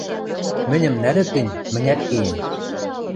Мӹньӹм нӓлӹт гӹнь, мӹнят кеем...